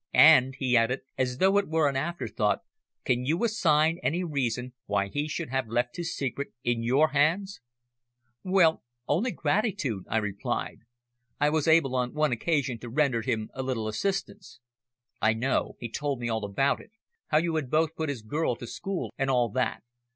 And," he added, as though it were an afterthought, "can you assign any reason why he should have left his secret in your hands?" "Well, only gratitude," I replied. "I was able on one occasion to render him a little assistance." "I know. He told me all about it how you had both put his girl to school, and all that.